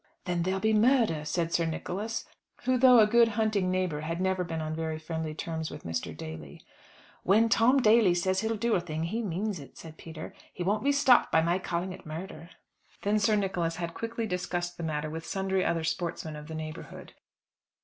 "Then there'll be murder," said Sir Nicholas, who though a good hunting neighbour had never been on very friendly terms with Mr. Daly. "When Tom Daly says he'll do a thing, he means to do it," said Peter. "He won't be stopped by my calling it murder." Then Sir Nicholas had quickly discussed the matter with sundry other sportsmen of the neighbourhood.